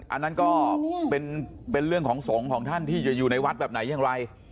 อันนั้นก็เป็นเรื่องของสงฆ์ของท่านที่จะอยู่ในวัดแบบไหนอย่างไร